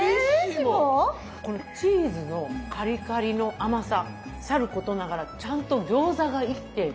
このチーズのカリカリの甘ささることながらちゃんと餃子が生きている。